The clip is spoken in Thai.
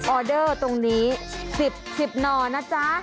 ออเดอร์ตรงนี้๑๐๑๐หน่อนะจ๊ะ